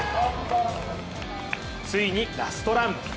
ついにラストラン。